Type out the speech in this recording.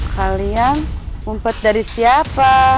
kalian umpet dari siapa